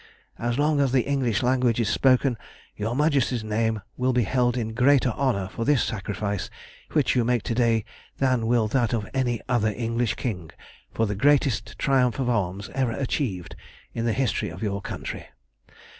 "As long as the English language is spoken your Majesty's name will be held in greater honour for this sacrifice which you make to day, than will that of any other English king for the greatest triumph of arms ever achieved in the history of your country.